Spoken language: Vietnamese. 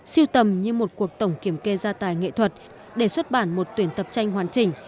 siêu tầm như một cuộc tổng kiểm kê gia tài nghệ thuật để xuất bản một tuyển tập tranh hoàn chỉnh